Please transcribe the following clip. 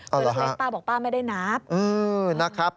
เพราะฉะนั้นป้าบอกป้าไม่ได้นับ